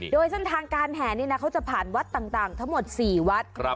โดยเส้นทางการแห่นี่นะเขาจะผ่านวัดต่างทั้งหมด๔วัด